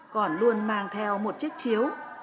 còn luôn mang theo một chiếc chiếu